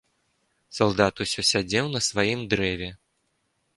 Салдат усё сядзеў на сваім дрэве.